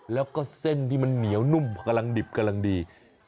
แล้วก็เส้นที่มันเหนียวนุ่มกำลังดิบกำลังดี